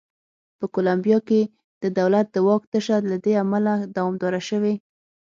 په کولمبیا کې د دولت د واک تشه له دې امله دوامداره شوې.